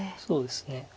そうですね。